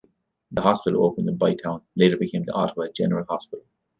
The hospital opened in Bytown later became the Ottawa General Hospital.